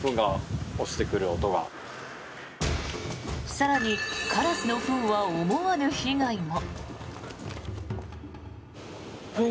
更に、カラスのフンは思わぬ被害も。